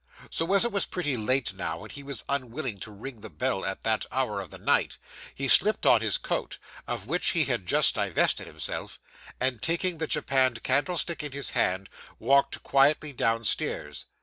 So as it was pretty late now, and he was unwilling to ring his bell at that hour of the night, he slipped on his coat, of which he had just divested himself, and taking the japanned candlestick in his hand, walked quietly downstairs.